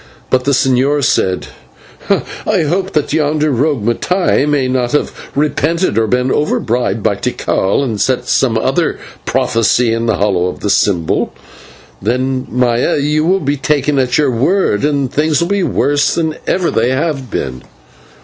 But the señor said: "I hope that yonder rogue, Mattai, may not have repented or been over bribed by Tikal, and set some other prophecy in the hollow of the symbol, for then, Maya, you will be taken at your word, and things will be worse than ever they have been."